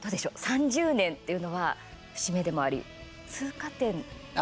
３０年っていうのは節目でもあり通過点ですか？